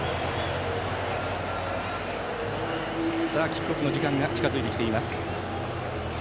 キックオフの時間が近づいてきています。